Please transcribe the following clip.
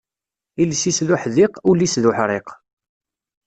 Iles-is d uḥdiq, ul is d uḥriq.